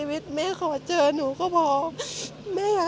วิจัย